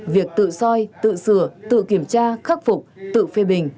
việc tự soi tự sửa tự kiểm tra khắc phục tự phê bình